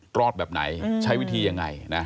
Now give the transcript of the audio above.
รอดแบบไหนใช้วิธียังไงนะ